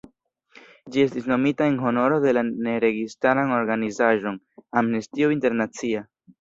Ĝi estis nomita en honoro de la ne-registaran organizaĵon "Amnestio Internacia".